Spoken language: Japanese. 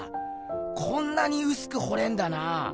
こんなにうすくほれんだなぁ。